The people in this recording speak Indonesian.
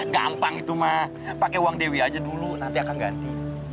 gampang itu mah pakai uang dewi aja dulu nanti akan ganti